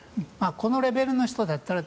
このレベルの人だったら。